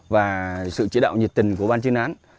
và sự chỉ đạo nhiệt tình của ban chuyên án